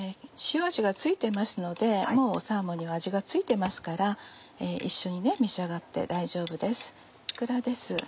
塩味が付いてますのでもうサーモンには味が付いてますから一緒に召し上がって大丈夫です。